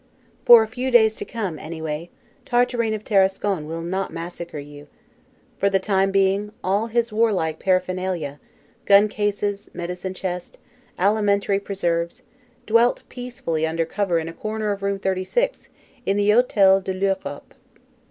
For a few days to come, any way, Tartarin of Tarascon will not massacre you. For the time being, all his warlike paraphernalia, gun cases, medicine chest, alimentary preserves, dwelt peacefully under cover in a corner of room 36 in the Hotel de l'Europe.